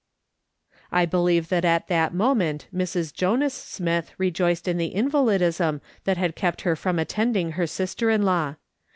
I believe that at that moment Mrs. Jonas Smith rejoiced in the invalidism that had kept her from attending her sister in law.